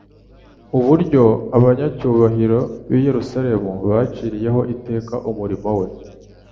Uburyo abanyacyubahiro b’i Yerusalemu baciriyeho iteka umurimo we